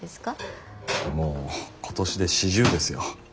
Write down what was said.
もう今年で四十ですよ。